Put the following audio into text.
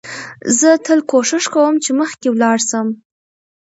زه تل کوښښ کوم، چي مخکي ولاړ سم.